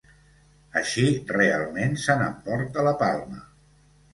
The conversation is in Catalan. Així realment se n'emporta la palma.